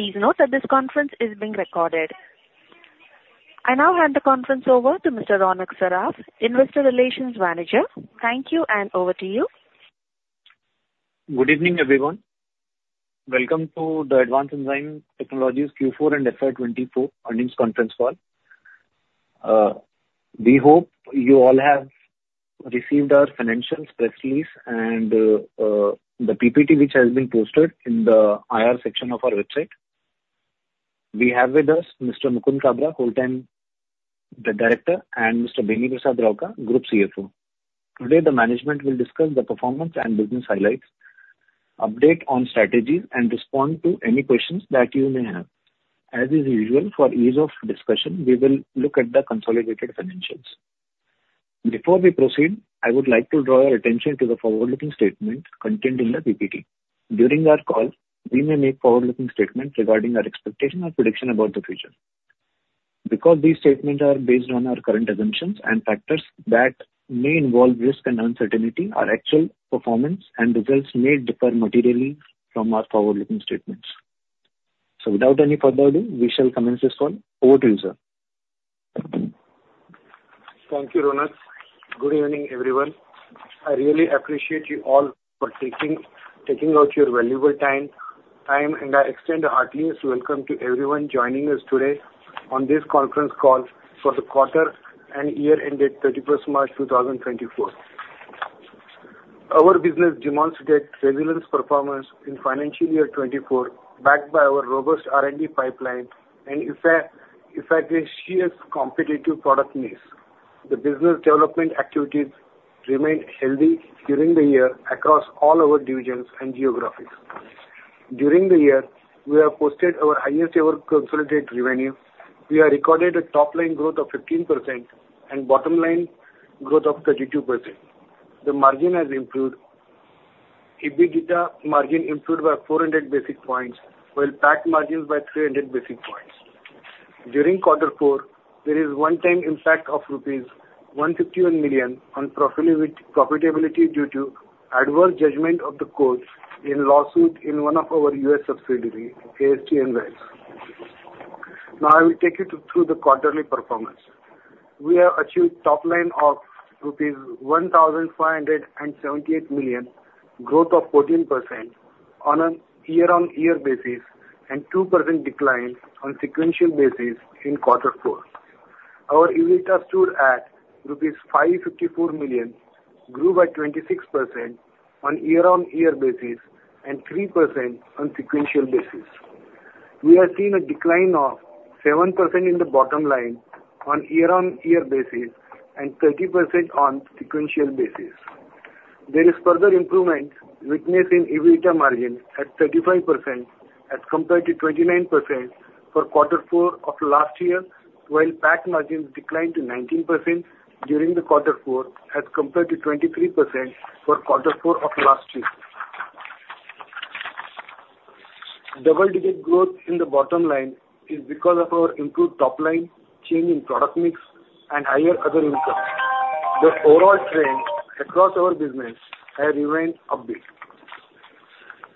Please note that this conference is being recorded. I now hand the conference over to Mr. Ronak Saraf, Investor Relations Manager. Thank you, and over to you... Good evening, everyone. Welcome to the Advanced Enzyme Technologies Q4 and FY 2024 earnings conference call. We hope you all have received our financial press release and the PPT, which has been posted in the IR section of our website. We have with us Mr. Mukund Kabra, Whole-Time Director; and Mr. Beni Prasad Rauka, Group CFO. Today, the management will discuss the performance and business highlights, update on strategies, and respond to any questions that you may have. As is usual, for ease of discussion, we will look at the consolidated financials. Before we proceed, I would like to draw your attention to the forward-looking statement contained in the PPT. During our call, we may make forward-looking statements regarding our expectation or prediction about the future. Because these statements are based on our current assumptions and factors that may involve risk and uncertainty, our actual performance and results may differ materially from our forward-looking statements. So without any further ado, we shall commence this call. Over to you, sir. Thank you, Ronak. Good evening, everyone. I really appreciate you all for taking out your valuable time, and I extend a heartiest welcome to everyone joining us today on this conference call for the quarter and year ended March 31st 2024. Our business demonstrated resilient performance in financial year 2024, backed by our robust R&D pipeline and effective superior competitive product mix. The business development activities remained healthy during the year across all our divisions and geographies. During the year, we have posted our highest ever consolidated revenue. We have recorded a top line growth of 15% and bottom line growth of 32%. The margin has improved. EBITDA margin improved by 400 basis points, while PAT margins by 300 basis points. During quarter four, there is one-time impact of rupees 151 million on profitability, profitability due to adverse judgment of the courts in lawsuit in one of our U.S. subsidiaries, AST Enzymes. Now, I will take you through the quarterly performance. We have achieved top line of rupees 1,578 million, growth of 14% on a year-on-year basis, and 2% decline on sequential basis in quarter four. Our EBITDA stood at rupees 554 million, grew by 26% on year-on-year basis and 3% on sequential basis. We have seen a decline of 7% in the bottom line on year-on-year basis and 30% on sequential basis. There is further improvement witnessed in EBITDA margin at 35%, as compared to 29% for quarter four of last year, while PAT margins declined to 19% during the quarter four, as compared to 23% for quarter four of last year. Double-digit growth in the bottom line is because of our improved top line, change in product mix, and higher other income. The overall trend across our business has remained upbeat.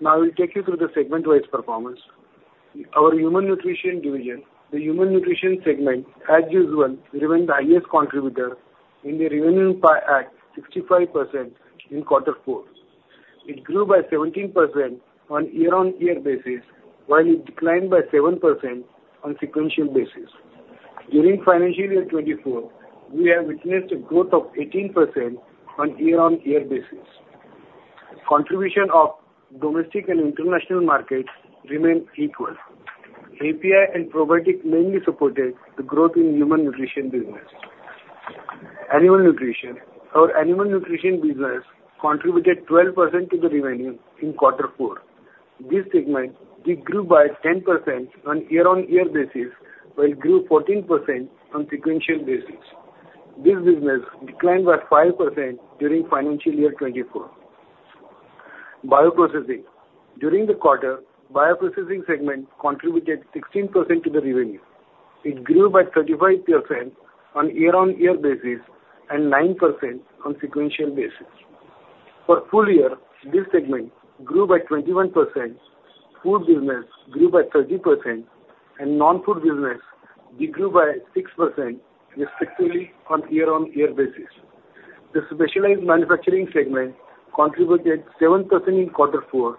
Now, I will take you through the segment-wise performance. Our human nutrition division. The human nutrition segment, as usual, remained the highest contributor in the revenue pie at 65% in quarter four. It grew by 17% on year-on-year basis, while it declined by 7% on sequential basis. During financial year 2024, we have witnessed a growth of 18% on year-on-year basis. Contribution of domestic and international markets remained equal. API and probiotic mainly supported the growth in human nutrition business. Animal nutrition. Our animal nutrition business contributed 12% to the revenue in quarter four. This segment, it grew by 10% on year-on-year basis, while it grew 14% on sequential basis. This business declined by 5% during financial year 2024. Bioprocessing. During the quarter, bioprocessing segment contributed 16% to the revenue. It grew by 35% on year-on-year basis and 9% on sequential basis. For full year, this segment grew by 21%, food business grew by 30%, and non-food business de-grew by 6%, respectively, on year-on-year basis. The specialized manufacturing segment contributed 7% in quarter four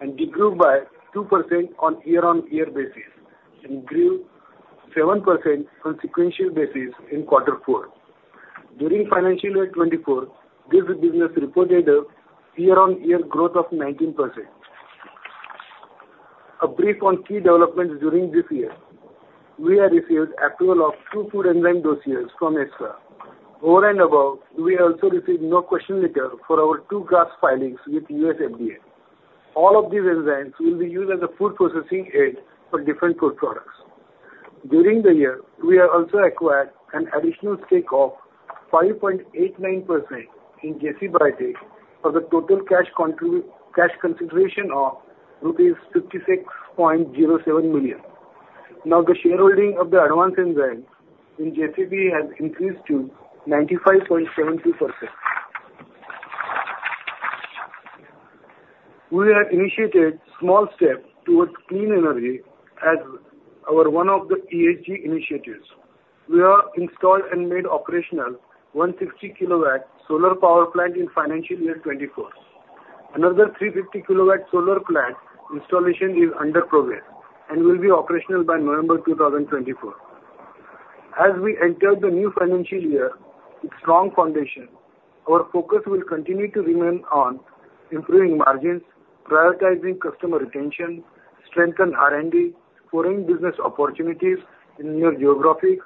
and de-grew by 2% on year-on-year basis, and grew 7% on sequential basis in quarter four. During financial year 2024, this business reported a year-on-year growth of 19%. A brief on key developments during this year. We have received approval of two food enzyme dossiers from FSSAI. Over and above, we also received no question letter for our two GRAS filings with USFDA. All of these enzymes will be used as a food processing aid for different food products. During the year, we have also acquired an additional stake of 5.89% in JC Biotech for the total cash consideration of rupees 56.07 million. Now, the shareholding of the Advanced Enzymes in JCB has increased to 95.72%. We have initiated small steps towards clean energy as our one of the ESG initiatives. We have installed and made operational 160 kW solar power plant in financial year 2024. Another 350 kW solar plant installation is under progress and will be operational by November 2024. As we enter the new financial year with strong foundation, our focus will continue to remain on improving margins, prioritizing customer retention, strengthen R&D, foreign business opportunities in new geographies,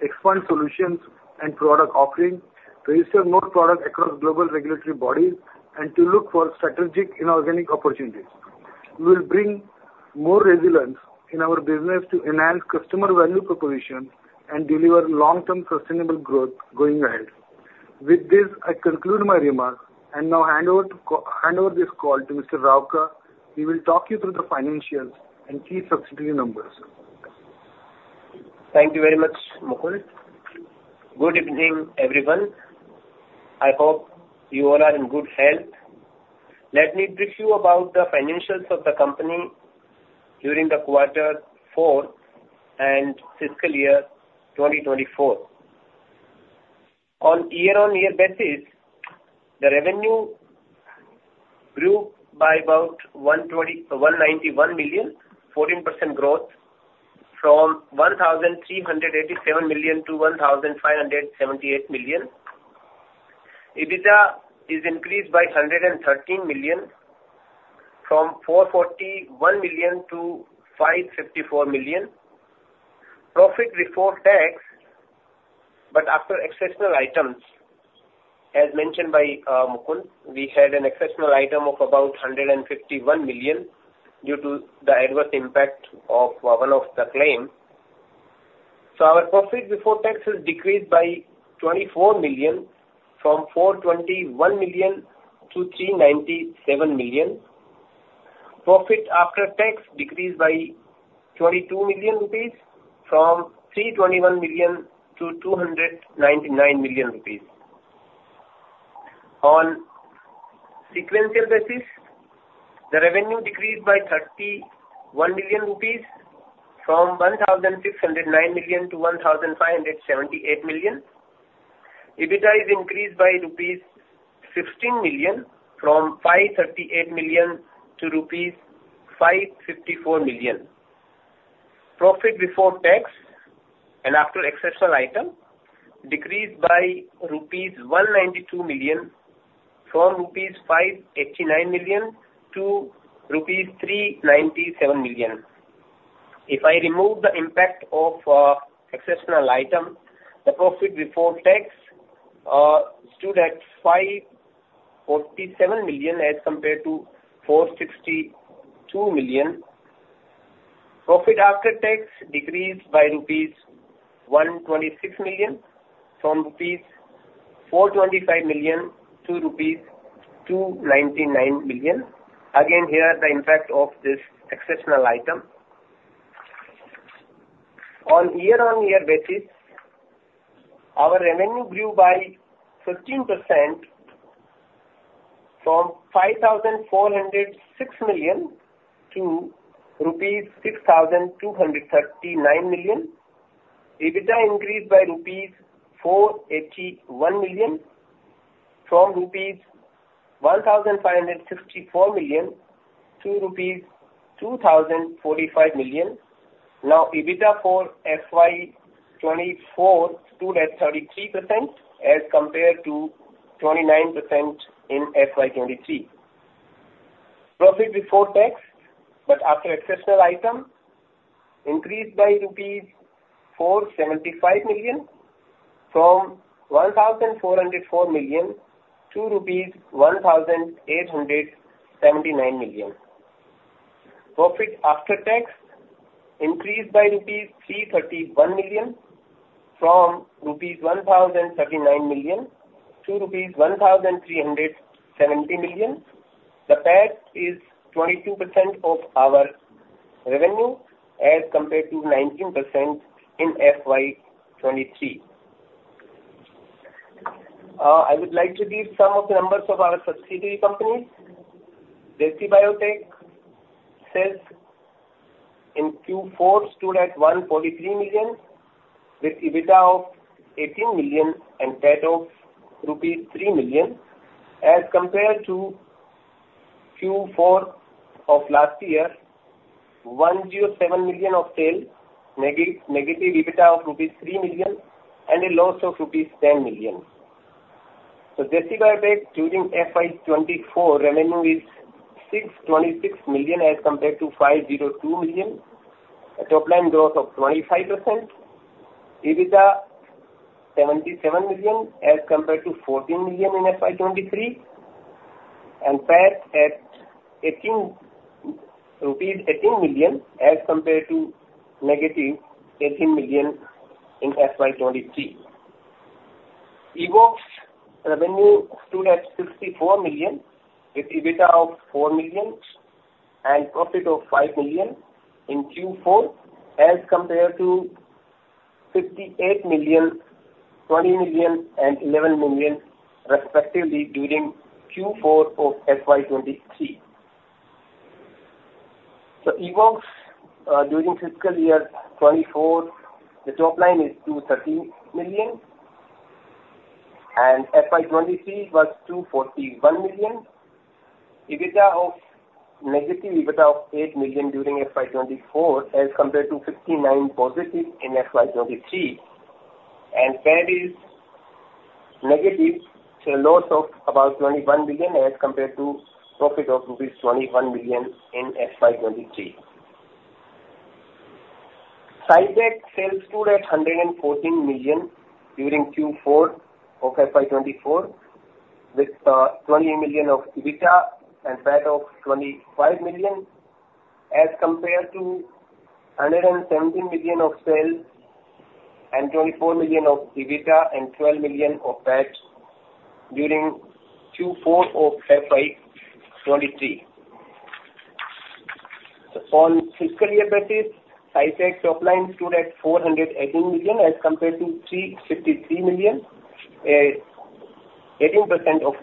expand solutions and product offerings, register more products across global regulatory bodies, and to look for strategic inorganic opportunities. We will bring more resilience in our business to enhance customer value proposition and deliver long-term sustainable growth going ahead. With this, I conclude my remarks and now hand over this call to Mr. Rauka, who will talk you through the financials and key subsidiary numbers. Thank you very much, Mukund. Good evening, everyone. I hope you all are in good health. Let me brief you about the financials of the company during the quarter four and fiscal year 2024. On year-on-year basis, the revenue grew by about 191 million, 14% growth from 1,387 million-1,578 million. EBITDA increased by 113 million from 441 million-554 million. Profit before tax, but after exceptional items, as mentioned by Mukund, we had an exceptional item of about 151 million due to the adverse impact of one of the claim. So our profit before taxes decreased by 24 million, from 421 million-397 million. Profit after tax decreased by 22 million rupees, from 321 million-299 million rupees. On sequential basis, the revenue decreased by 31 million rupees, from 1,609 million-1,578 million. EBITDA is increased by rupees 16 million from 538 million-554 million rupees. Profit before tax and after exceptional item, decreased by rupees 192 million, from 589 million-397 million rupees. If I remove the impact of exceptional item, the profit before tax stood at 547 million as compared to 462 million. Profit after tax decreased by rupees 126 million, from 425 million-299 million rupees. Again, here, the impact of this exceptional item. On year-on-year basis, our revenue grew by 15% from 5,406 million to rupees 6,239 million. EBITDA increased by rupees 481 million from rupees 1,564 million to rupees 2,045 million. Now, EBITDA for FY 2024 stood at 33% as compared to 29% in FY 2023. Profit before tax, but after exceptional item, increased by rupees 475 million from 1,404 million-1,879 million rupees. Profit after tax increased by rupees 331 million from 1,039 million-1,370 million rupees. The PAT is 22% of our revenue, as compared to 19% in FY 2023. I would like to read some of the numbers of our subsidiary companies. JC Biotech sales in Q4 stood at 143 million, with EBITDA of 18 million and PAT of rupees 3 million, as compared to Q4 of last year, 107 million of sales, negative EBITDA of rupees 3 million and a loss of rupees 10 million. So JC Biotech, during FY 2024, revenue is 626 million as compared to 502 million, a top line growth of 25%. EBITDA, 77 million as compared to 14 million in FY 2023, and PAT at 18 million as compared to negative 18 million in FY 2023. Evoxx's revenue stood at 64 million, with EBITDA of 4 million and profit of 5 million in Q4, as compared to 58 million, 20 million, and 11 million respectively during Q4 of FY 2023. The Evoxx during fiscal year 2024, the top line is 213 million, and FY 2023 was 241 million. EBITDA of negative 8 million during FY 2024, as compared to +59 million in FY 2023. PAT is negative, so a loss of about 21 million as compared to profit of rupees 21 million in FY 2023. SciTech sales stood at 114 million during Q4 of FY 2024, with 20 million of EBITDA and PAT of 25 million, as compared to 117 million of sales and 24 million of EBITDA and 12 million of PAT during Q4 of FY 2023. On fiscal year basis, SciTech top line stood at 418 million, as compared to 353 million, 18%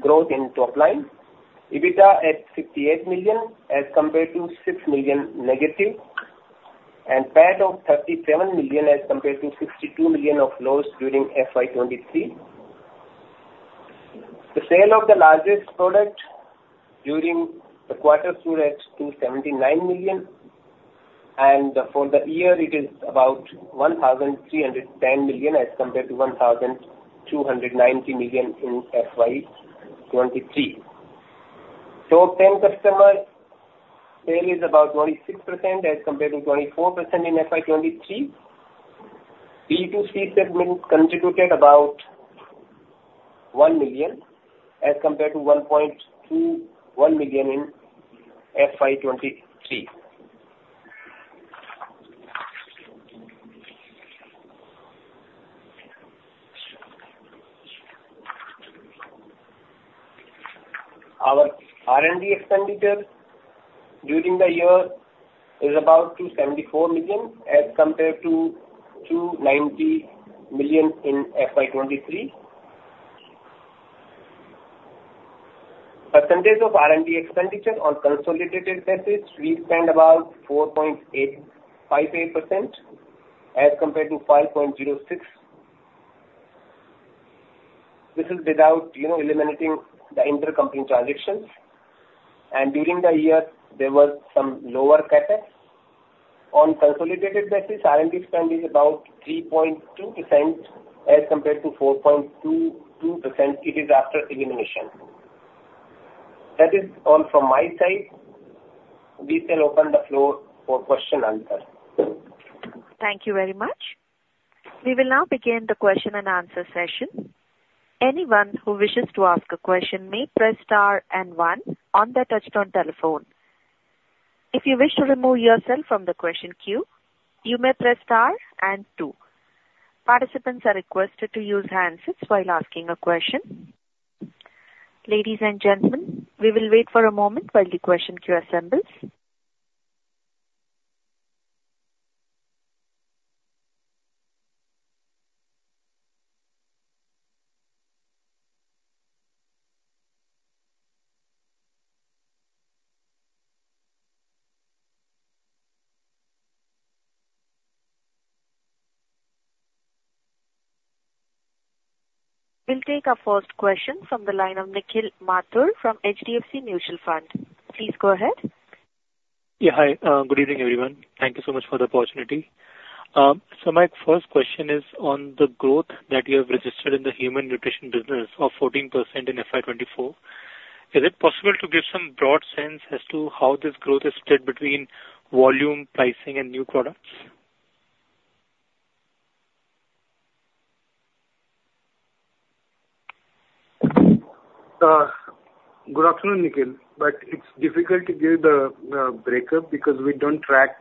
growth in top line. EBITDA at 58 million as compared to negative 6 million, and PAT of 37 million as compared to loss of 62 million during FY 2023. The sale of the largest product during the quarter stood at 279 million, and for the year, it is about 1,310 million, as compared to 1,290 million in FY 2023. Top ten customer sale is about 26% as compared to 24% in FY 2023. B2C segment contributed about 1 million as compared to 1.21 million in FY 2023. Our R&D expenditure during the year is about 274 million, as compared to 290 million in FY 2023. Percentage of R&D expenditure on consolidated basis, we spend about 4.858% as compared to 5.06%. This is without, you know, eliminating the intercompany transactions. During the year, there was some lower CapEx. On consolidated basis, R&D spend is about 3.2% as compared to 4.22%. It is after elimination. That is all from my side. We shall open the floor for question answer. Thank you very much. We will now begin the question and answer session. Anyone who wishes to ask a question may press star and one on their touchtone telephone. If you wish to remove yourself from the question queue, you may press star and two. Participants are requested to use handsets while asking a question. Ladies and gentlemen, we will wait for a moment while the question queue assembles. We'll take our first question from the line of Nikhil Mathur from HDFC Mutual Fund. Please go ahead. Yeah, hi. Good evening, everyone. Thank you so much for the opportunity. So my first question is on the growth that you have registered in the Human Nutrition business of 14% in FY 2024. Is it possible to give some broad sense as to how this growth is split between volume, pricing, and new products? Good afternoon, Nikhil, but it's difficult to give the breakup because we don't track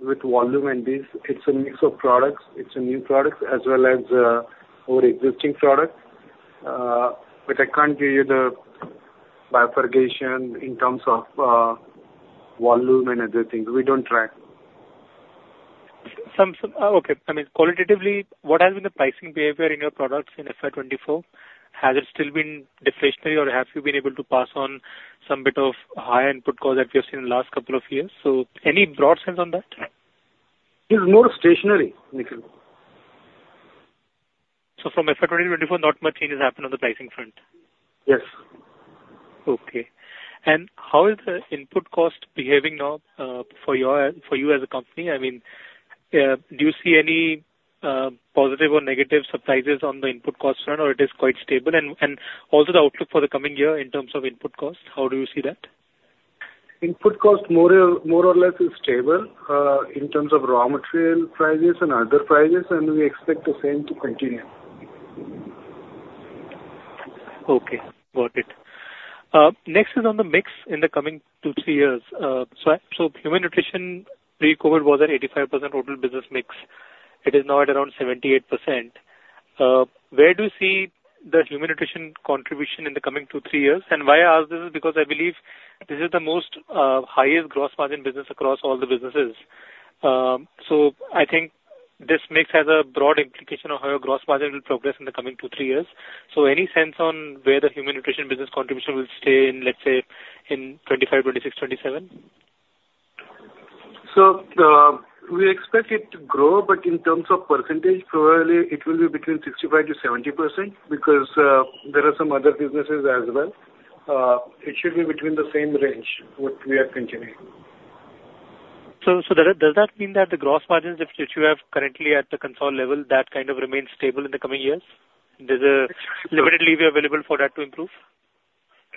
with volume and this. It's a mix of products. It's a new product as well as our existing product. But I can't give you the bifurcation in terms of volume and other things. We don't track. Okay. I mean, qualitatively, what has been the pricing behavior in your products in FY 2024? Has it still been deflationary, or have you been able to pass on some bit of high input cost that we have seen in the last couple of years? So any broad sense on that? It's more stationary, Nikhil. From FY 2024, not much change has happened on the pricing front? Yes. Okay. How is the input cost behaving now, for you as a company? I mean, do you see any positive or negative surprises on the input cost front, or it is quite stable? And also the outlook for the coming year in terms of input cost, how do you see that? Input cost, more or less, is stable in terms of raw material prices and other prices, and we expect the same to continue. Okay, got it. Next is on the mix in the coming two to three years. So, so Human Nutrition pre-COVID was at 85% total business mix. It is now at around 78%. Where do you see the Human Nutrition contribution in the coming two to three years? And why I ask this is because I believe this is the most highest gross margin business across all the businesses. So I think this mix has a broad implication of how your gross margin will progress in the coming two to three years. So any sense on where the Human Nutrition business contribution will stay in, let's say, in 2025, 2026, 2027? We expect it to grow, but in terms of percentage, probably it will be between 65%-70%, because there are some other businesses as well. It should be between the same range what we are continuing. So, does that mean that the gross margins which you have currently at the consolidated level, that kind of remain stable in the coming years? Is there limited ability for that to improve?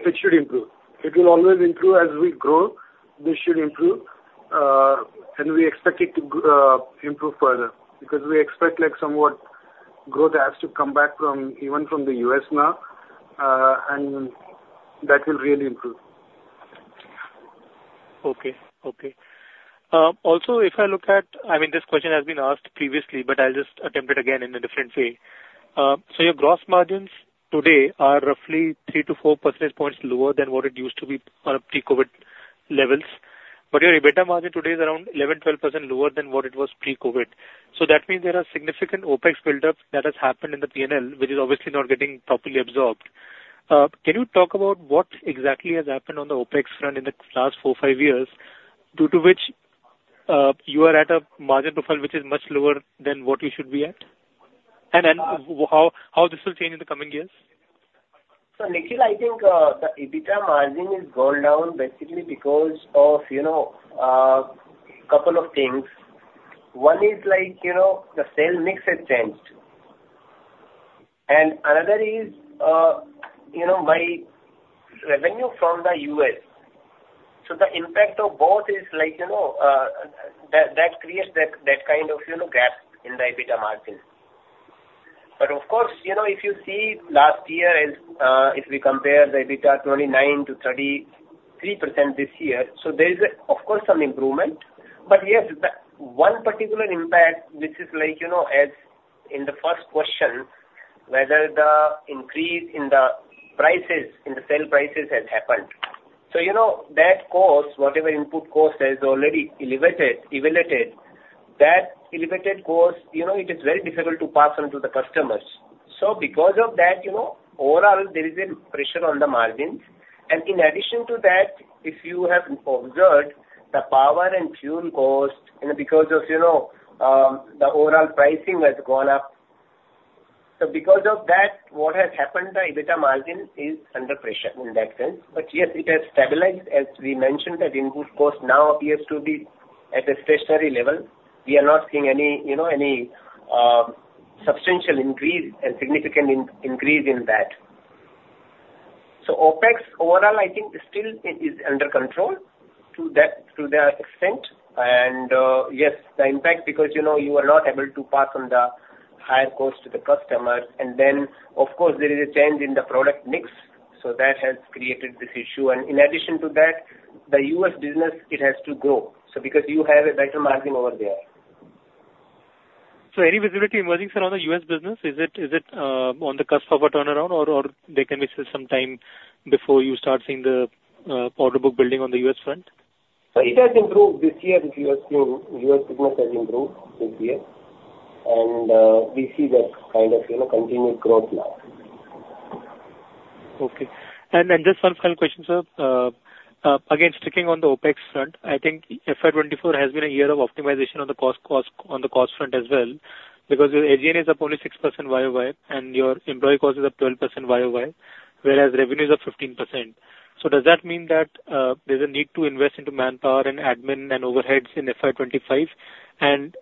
It should improve. It will always improve as we grow, this should improve. And we expect it to improve further, because we expect like somewhat growth has to come back from, even from the U.S. now, and that will really improve. Okay. Okay. Also, if I look at... I mean, this question has been asked previously, but I'll just attempt it again in a different way. So your gross margins today are roughly 3-4 percentage points lower than what it used to be on a pre-COVID levels. But your EBITDA margin today is around 11%-12% lower than what it was pre-COVID. So that means there are significant OpEx build-ups that has happened in the PNL, which is obviously not getting properly absorbed. Can you talk about what exactly has happened on the OpEx front in the last four to five years, due to which you are at a margin profile which is much lower than what you should be at? And then, how this will change in the coming years? So, Nikhil, I think, the EBITDA margin is going down basically because of, you know, couple of things. One is like, you know, the sale mix has changed. And another is, you know, my revenue from the US. So the impact of both is like, you know, that creates that kind of, you know, gap in the EBITDA margin. But of course, you know, if you see last year and, if we compare the EBITDA 29%-33% this year, so there is, of course, some improvement. But yes, the one particular impact, which is like, you know, as in the first question, whether the increase in the prices, in the sale prices has happened. So, you know, that cost, whatever input cost has already elevated, that elevated cost, you know, it is very difficult to pass on to the customers. So because of that, you know, overall there is a pressure on the margins. And in addition to that, if you have observed the power and fuel cost, you know, because of, you know, the overall pricing has gone up. So because of that, what has happened, the EBITDA margin is under pressure in that sense. But yes, it has stabilized. As we mentioned, that input cost now appears to be at a stationary level. We are not seeing any, you know, any, substantial increase and significant increase in that. So OpEx overall, I think still it is under control, to that, to that extent. And, yes, the impact, because, you know, you are not able to pass on the higher cost to the customers. And then, of course, there is a change in the product mix, so that has created this issue. In addition to that, the U.S. business, it has to grow, so because you have a better margin over there. Any visibility emerging, sir, on the U.S. business? Is it on the cusp of a turnaround or there can be still some time before you start seeing the order book building on the U.S. front? So it has improved this year, which you have seen. U.S. business has improved this year, and we see that kind of, you know, continued growth now. Okay. And just one final question, sir. Again, sticking on the OpEx front, I think FY 2024 has been a year of optimization on the cost on the cost front as well, because your A&G is up only 6% YoY, and your employee cost is up 12% YoY, whereas revenues are 15%. So does that mean that there's a need to invest into manpower and admin and overheads in FY 2025? And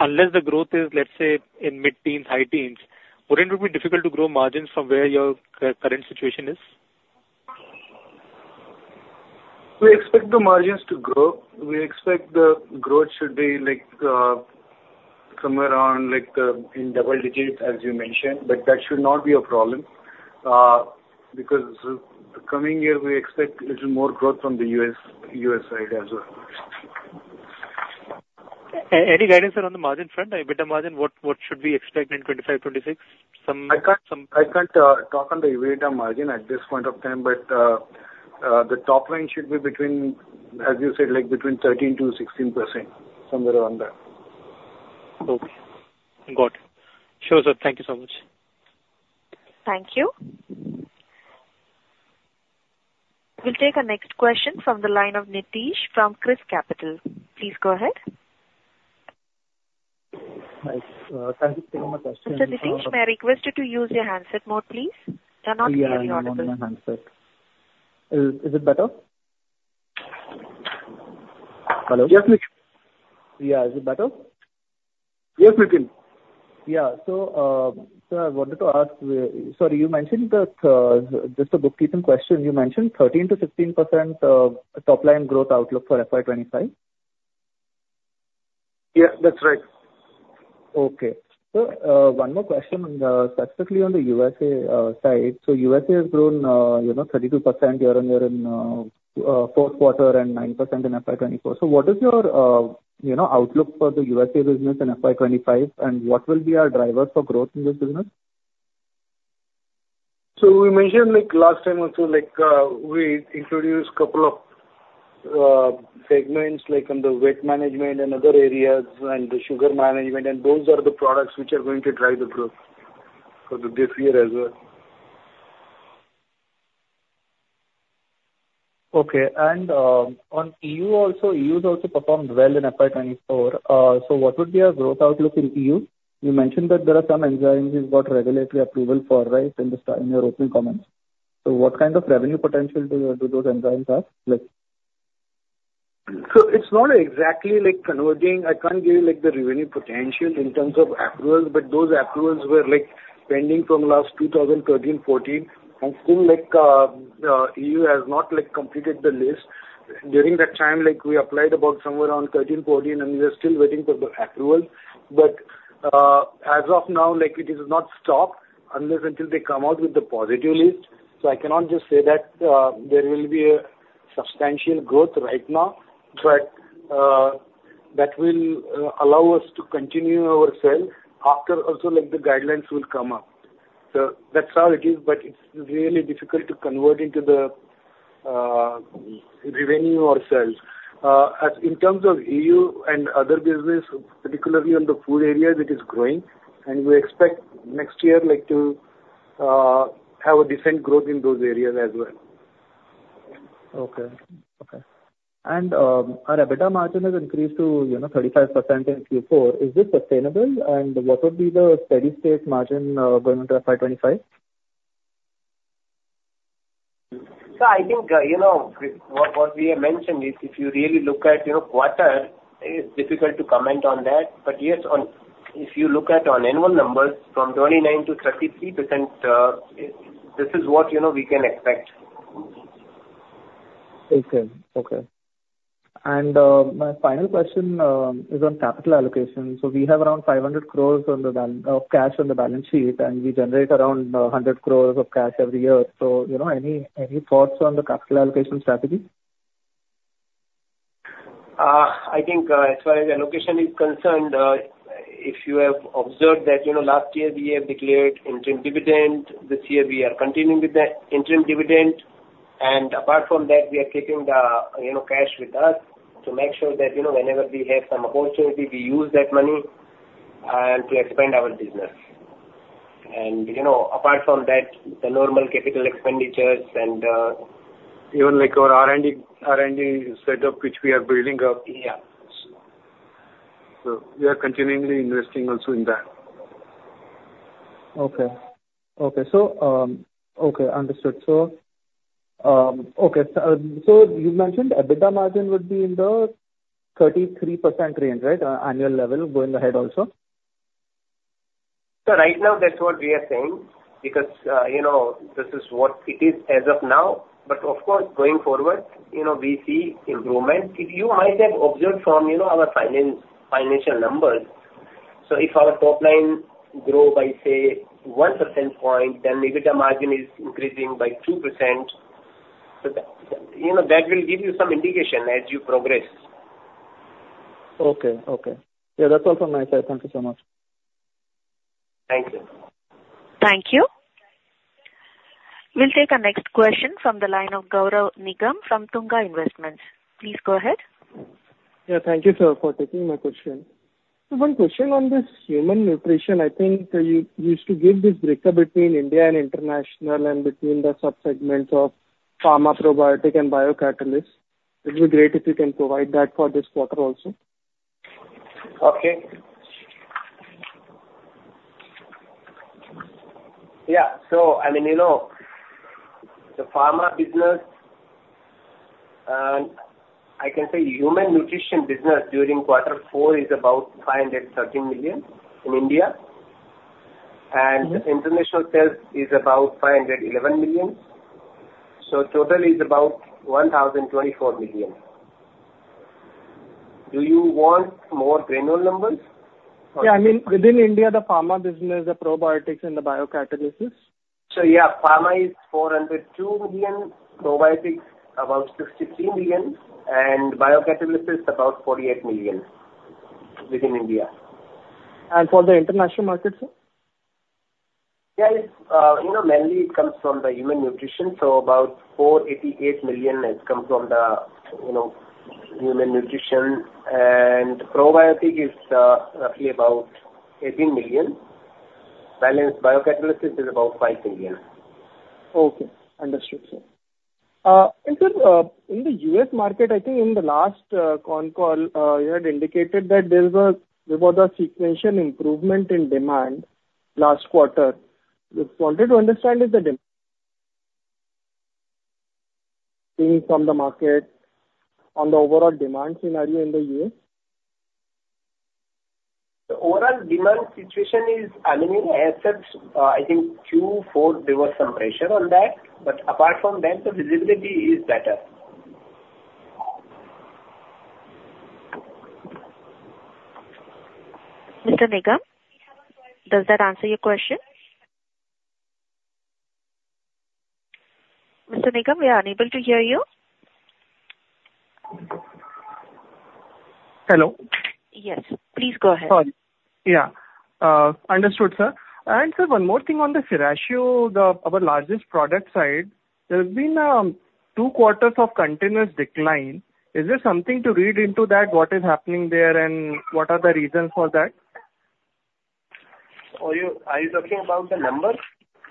unless the growth is, let's say, in mid-teens, high teens, wouldn't it be difficult to grow margins from where your current situation is? We expect the margins to grow. We expect the growth should be like, somewhere around, like, in double digits, as you mentioned, but that should not be a problem, because the coming year, we expect a little more growth from the U.S., U.S. side as well. Any guidance around the margin front, the EBITDA margin, what should we expect in 2025, 2026? I can't, I can't, talk on the EBITDA margin at this point of time, but, the top line should be between, as you said, like between 13%-16%, somewhere around there. Okay. Got it. Sure, sir. Thank you so much. Thank you. We'll take our next question from the line of Nitish from ChrysCapital. Please go ahead. Hi, thank you for taking my question- Mr. Nitish, may I request you to use your handset mode, please? We are not hearing audible. Yeah, I'm on my handset. Is, is it better? Hello? Yes, Nitish. Yeah. Is it better? Yes, Nitish. Yeah. So, so I wanted to ask. Sorry, you mentioned that, just a bookkeeping question. You mentioned 13%-16% top line growth outlook for FY 2025? Yeah, that's right. Okay. So, one more question, specifically on the USA side. So USA has grown, you know, 32% year-on-year in fourth quarter and 9% in FY 2024. So what is your, you know, outlook for the USA business in FY 2025, and what will be our drivers for growth in this business? ...So we mentioned, like last time also, like, we introduced couple of segments, like on the weight management and other areas and the sugar management, and those are the products which are going to drive the growth for this year as well. Okay. On EU also, EU has also performed well in FY 2024. So what would be our growth outlook in EU? You mentioned that there are some enzymes you've got regulatory approval for, right, in the start, in your opening comments. So what kind of revenue potential do those enzymes have, like? So it's not exactly like converting. I can't give you, like, the revenue potential in terms of approvals, but those approvals were, like, pending from last 2013, 2014, and still, like, EU has not, like, completed the list. During that time, like, we applied about somewhere around 13, 14, and we are still waiting for the approval. But, as of now, like, it is not stopped unless until they come out with the positive list. So I cannot just say that, there will be a substantial growth right now, but, that will, allow us to continue our sales after also, like, the guidelines will come up. So that's how it is, but it's really difficult to convert into the, revenue or sales. As in terms of EU and other business, particularly on the food area, it is growing, and we expect next year, like, to have a decent growth in those areas as well. Okay. Okay. And our EBITDA margin has increased to, you know, 35% in Q4. Is this sustainable? And what would be the steady state margin going into FY 2025? So I think, you know, what, what we have mentioned is if you really look at, you know, quarter, it's difficult to comment on that. But yes, on—if you look at annual numbers from 29%-33%, this is what, you know, we can expect. Okay. Okay. My final question is on capital allocation. So we have around 500 crore of cash on the balance sheet, and we generate around 100 crore of cash every year. So, you know, any thoughts on the capital allocation strategy? I think, as far as allocation is concerned, if you have observed that, you know, last year we have declared interim dividend. This year we are continuing with the interim dividend, and apart from that, we are keeping the, you know, cash with us to make sure that, you know, whenever we have some opportunity, we use that money to expand our business. And, you know, apart from that, the normal capital expenditures and even like our R&D, R&D setup, which we are building up. Yeah. So we are continually investing also in that. Okay. Okay, so, Okay, understood. So, okay, so, so you mentioned EBITDA margin would be in the 33% range, right, annual level going ahead also? So right now, that's what we are saying, because, you know, this is what it is as of now. But of course, going forward, you know, we see improvement. If you might have observed from, you know, our finance, financial numbers, so if our top line grow by, say, 1 percentage point, then the EBITDA margin is increasing by 2%. So that, you know, that will give you some indication as you progress. Okay, okay. Yeah, that's also my side. Thank you so much. Thank you. Thank you. We'll take our next question from the line of Gaurav Nigam from Tunga Investments. Please go ahead. Yeah, thank you, sir, for taking my question. So one question on this human nutrition, I think you, you used to give this breakup between India and international and between the subsegments of pharma, probiotic and biocatalyst. It'd be great if you can provide that for this quarter also. Okay. Yeah. So I mean, you know, the pharma business, I can say human nutrition business during quarter four is about 513 million in India, and- Mm-hmm. International sales is about 511 million. So total is about 1,024 million. Do you want more granular numbers? Yeah, I mean, within India, the pharma business, the probiotics and the biocatalysis. So yeah, pharma is 402 million, probiotics about 63 million, and biocatalysis about 48 million within India. For the international markets, sir? Yeah, it's, you know, mainly it comes from the human nutrition, so about 488 million has come from the, you know, human nutrition. And probiotic is, roughly about 18 million, balance biocatalysis is about 5 million. Okay. Understood, sir. And so, in the U.S. market, I think in the last con call, you had indicated that there was a sequential improvement in demand last quarter. Just wanted to understand if the de... seeing from the market on the overall demand scenario in the U.S.? The overall demand situation is, I mean, as such, I think Q4, there was some pressure on that, but apart from that, the visibility is better. Mr. Nigam, does that answer your question? Mr. Nigam, we are unable to hear you.... Hello? Yes, please go ahead. Sorry. Yeah, understood, sir. Sir, one more thing on our largest product side, there has been two quarters of continuous decline. Is there something to read into that? What is happening there, and what are the reasons for that? Are you talking about the numbers,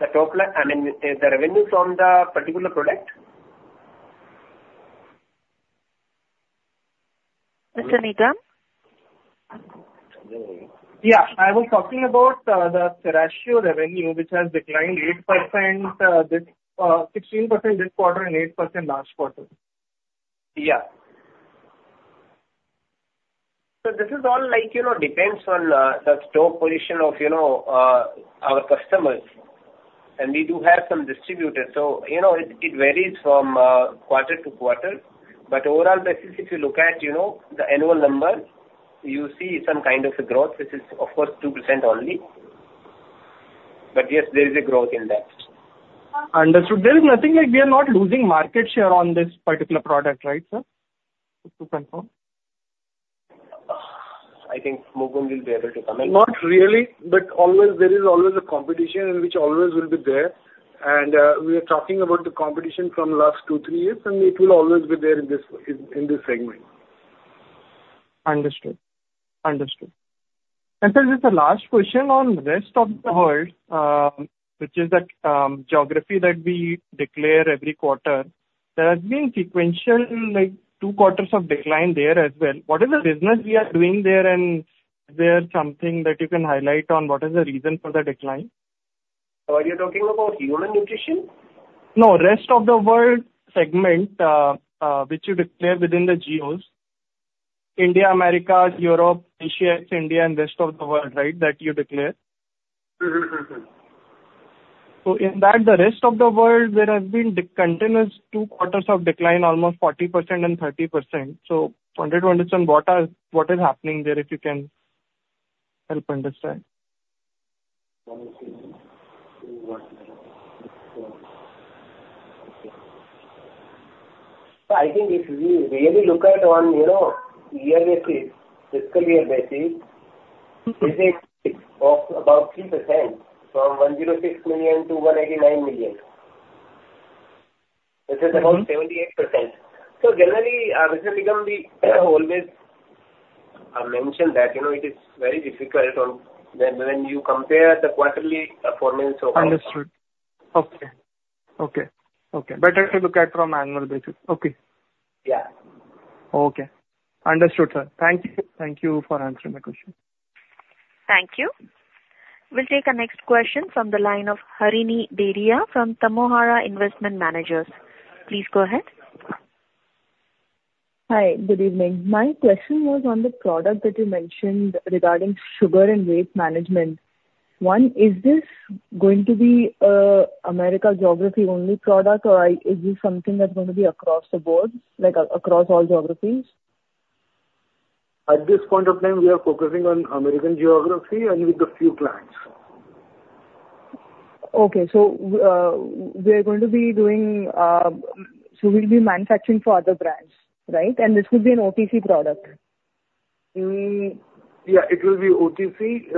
the total, I mean, the revenues from the particular product? Mr. Nigam? Yeah, I was talking about the animal revenue, which has declined 8%, 16% this quarter and 8% last quarter. Yeah. So this is all like, you know, depends on the stock position of, you know, our customers. And we do have some distributors, so you know, it varies from quarter to quarter. But overall basis, if you look at, you know, the annual number, you see some kind of a growth, which is of course, 2% only. But yes, there is a growth in that. Understood. There is nothing like we are not losing market share on this particular product, right, sir? Just to confirm. I think Mukund will be able to comment. Not really, but always, there is always a competition which always will be there. And we are talking about the competition from last two, three years, and it will always be there in this segment. Understood. Understood. And sir, just the last question on rest of the world, which is that geography that we declare every quarter, there has been sequential, like two quarters of decline there as well. What is the business we are doing there, and is there something that you can highlight on what is the reason for the decline? Are you talking about human nutrition? No, rest of the world segment, which you declare within the geos: India, America, Europe, Asia, India, and rest of the world, right? That you declare. Mm-hmm, mm-hmm. So, in that, the rest of the world, there has been two consecutive quarters of decline, almost 40% and 30%. So, wanted to understand what is happening there, if you can help understand. I think if you really look at on, you know, yearly basis, fiscal year basis. Mm-hmm... This is of about 3%, from 106 million-189 million. This is about- Mm-hmm 78%. So generally, Mr. Nitish, we always mention that, you know, it is very difficult on when you compare the quarterly performance of- Understood. Okay. Okay, okay. Better to look at from annual basis. Okay. Yeah. Okay. Understood, sir. Thank you. Thank you for answering my question. Thank you. We'll take our next question from the line of Harini Dedhia from Tamohara Investment Managers. Please go ahead. Hi, good evening. My question was on the product that you mentioned regarding sugar and weight management. One, is this going to be a America geography only product, or is this something that's going to be across the board, like across all geographies? At this point of time, we are focusing on American geography and with a few clients. Okay. So, we are going to be doing so we'll be manufacturing for other brands, right? And this will be an OTC product. Yeah, it will be OTC.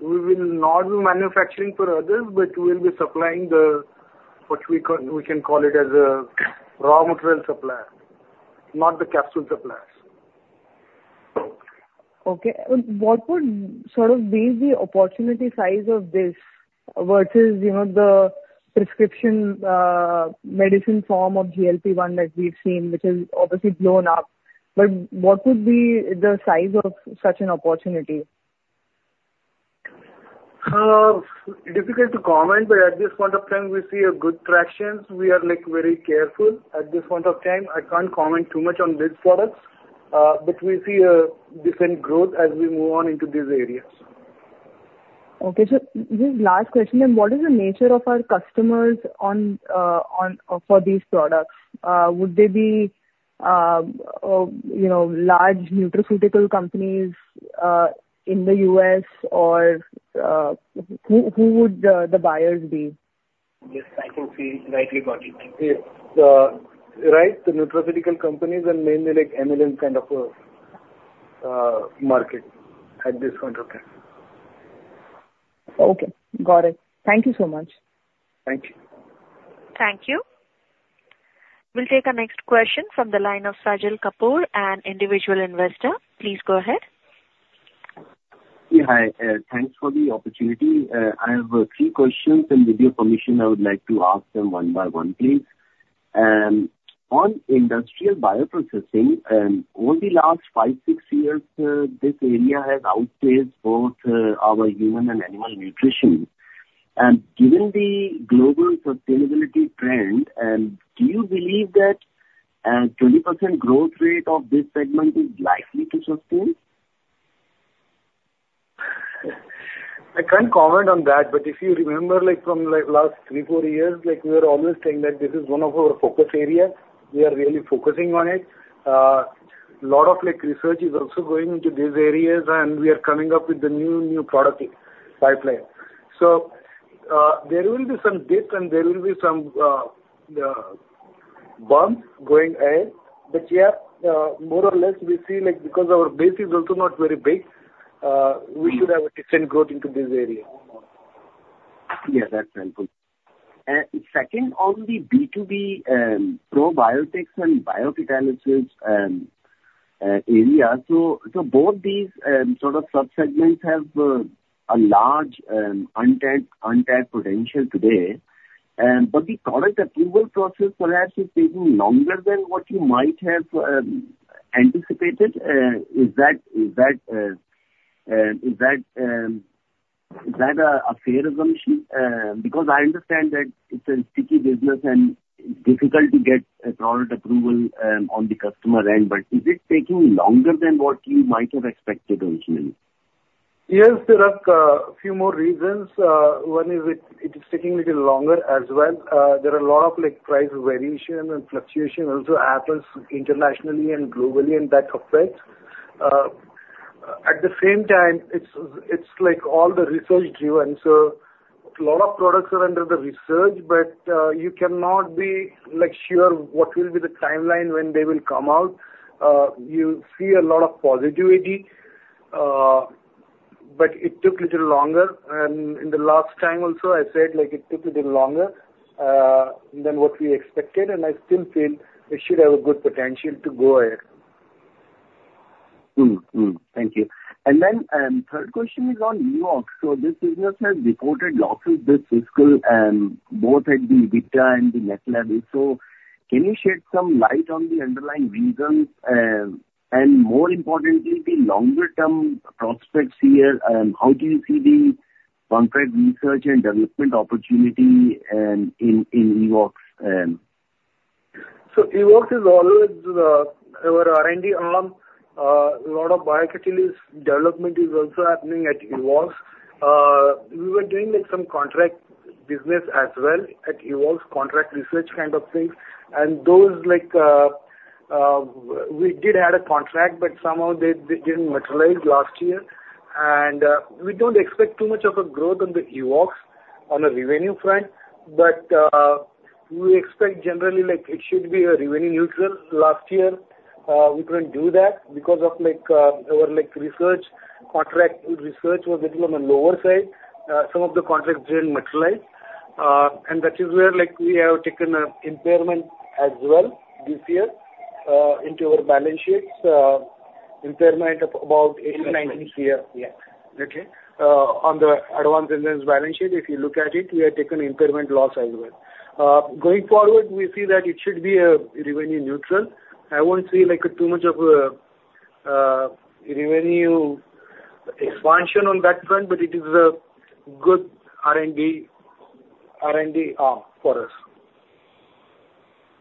We will not be manufacturing for others, but we will be supplying the, what we can call it as a raw material supplier, not the capsule suppliers. Okay. What would sort of be the opportunity size of this, versus, you know, the prescription medicine form of GLP-1 that we've seen, which has obviously blown up? But what would be the size of such an opportunity? Difficult to comment, but at this point of time, we see a good traction. We are, like, very careful. At this point of time, I can't comment too much on this product, but we see a different growth as we move on into these areas. Okay, so this is last question, then. What is the nature of our customers on for these products? Would they be, you know, large nutraceutical companies in the US? Or, who would the buyers be? Yes, I could say rightly got it. Yeah, right. The nutraceutical companies are mainly like MLM kind of a market at this point of time. Okay, got it. Thank you so much. Thank you. Thank you. We'll take our next question from the line of Sajil Kapoor, an individual investor. Please go ahead. Yeah, hi, thanks for the opportunity. I have three questions, and with your permission, I would like to ask them one by one, please. On industrial bioprocessing, over the last five, six years, this area has outpaced both our human and animal nutrition. And given the global sustainability trend, do you believe that 20% growth rate of this segment is likely to sustain? I can't comment on that, but if you remember, like, from, like, last three to four years, like, we are always saying that this is one of our focus areas. We are really focusing on it. A lot of, like, research is also going into these areas, and we are coming up with the new product pipeline. There will be some dips and there will be some bumps going ahead. But yeah, more or less, we see, like, because our base is also not very big, we should have a decent growth into this area. Yeah, that's helpful. And second, on the B2B, probiotics and biocatalysts, area, so both these sort of sub-segments have a large untapped potential today, but the product approval process perhaps is taking longer than what you might have anticipated. Is that a fair assumption? Because I understand that it's a sticky business and difficult to get a product approval on the customer end, but is it taking longer than what you might have expected ultimately? Yes, there are a few more reasons. One is it is taking little longer as well. There are a lot of, like, price variation and fluctuation also happens internationally and globally, and that affects. At the same time, it's like all the research driven, so a lot of products are under the research, but you cannot be, like, sure what will be the timeline when they will come out. You see a lot of positivity, but it took little longer. And in the last time also, I said, like, it took little longer than what we expected, and I still feel it should have a good potential to go ahead. Thank you. And then, third question is on Evoxx. So this business has reported losses this fiscal, both at the EBITDA and the net level. So can you shed some light on the underlying reasons, and more importantly, the longer term prospects here, and how do you see the contract research and development opportunity, in Evoxx? So, Evox is always our R&D arm. Lot of biocatalysts development is also happening at Evox. We were doing, like, some contract business as well at Evox, contract research kind of things. And those like, we did have a contract, but somehow they, they didn't materialize last year. And, we don't expect too much of a growth on the Evox on a revenue front, but, we expect generally, like, it should be revenue neutral. Last year, we couldn't do that because of like, our, like, research, contract research was little on the lower side. Some of the contracts didn't materialize. And that is where, like, we have taken an impairment as well this year, into our balance sheets, impairment of about 18-19 crore. Yeah. Okay? On the Advanced Nutrition balance sheet, if you look at it, we have taken impairment loss as well. Going forward, we see that it should be revenue neutral. I won't say, like, too much of a revenue expansion on that front, but it is a good R&D arm for us.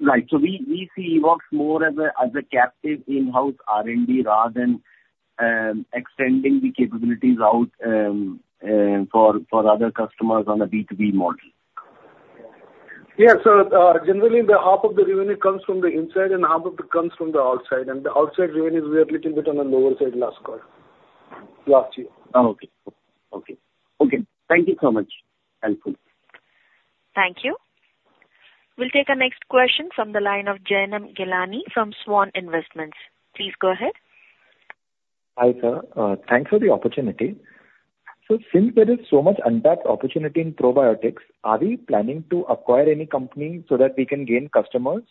Right. So we see Evoxx more as a captive in-house R&D rather than extending the capabilities out for other customers on a B2B model. Yes. So, generally the half of the revenue comes from the inside, and half of it comes from the outside, and the outside revenue is a little bit on the lower side last quarter, last year. Okay. Okay. Okay, thank you so much. Helpful. Thank you. We'll take our next question from the line of Jainam Gilani from Swan Investments. Please go ahead. Hi, sir. Thanks for the opportunity. So since there is so much untapped opportunity in probiotics, are we planning to acquire any company so that we can gain customers?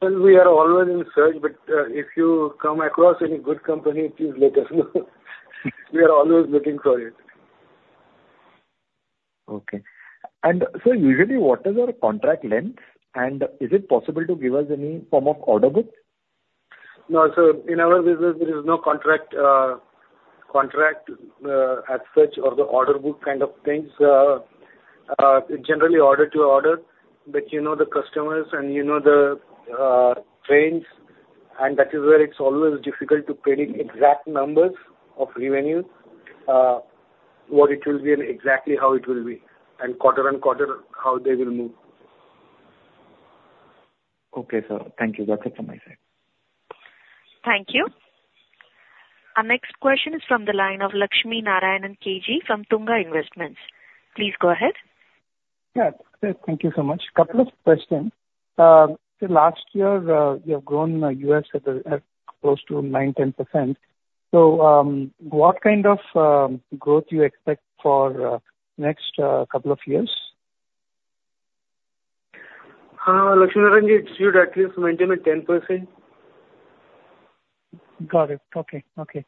Well, we are always in search, but, if you come across any good company, please let us know. We are always looking for it. Okay. Usually, what is our contract length, and is it possible to give us any form of order book? No, sir. In our business, there is no contract as such or the order book kind of things. Generally order to order, but you know the customers and you know the trends, and that is where it's always difficult to predict exact numbers of revenue, what it will be and exactly how it will be, and quarter on quarter, how they will move. Okay, sir. Thank you. That's it from my side. Thank you. Our next question is from the line of Lakshmi Narayanan KG from Tunga Investments. Please go ahead. Yeah. Thank you so much. Couple of questions. So last year, you have grown U.S. at close to 9%-10%. So, what kind of growth you expect for next couple of years? Lakshmi Narayanan, it should at least maintain the 10%. Got it. Okay. Okay.